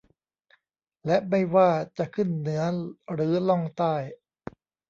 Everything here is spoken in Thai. และไม่ว่าจะขึ้นเหนือหรือล่องใต้